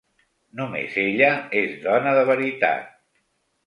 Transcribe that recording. Només ella es dóna de veritat.